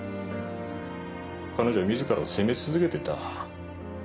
彼女は自らを責め続けていた。